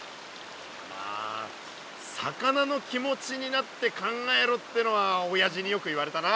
まあ魚の気持ちになって考えろってのはおやじによく言われたな。